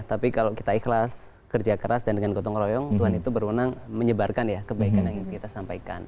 tapi kalau kita ikhlas kerja keras dan dengan gotong royong tuhan itu berwenang menyebarkan ya kebaikan yang ingin kita sampaikan